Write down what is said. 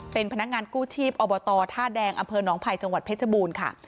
เป็นพนักงานกู้ชีพอบตท่าแดงอำเภอหนองภัยจังหวัดเพชรบูรณ์ค่ะ